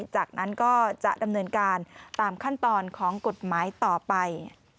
จากนั้นก็จะดำเนินการตามขั้นตอนของกฎหมายต่อไป